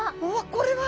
これは。